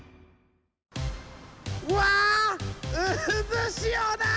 うわうずしおだ！